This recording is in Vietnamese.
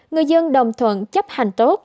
người dân đồng thuận chấp hành tốt